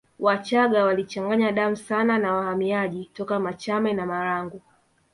Wachaga walichanganya damu sana na wahamiaji toka Machame na Marangu